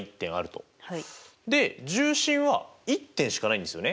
で重心は１点しかないんですよね。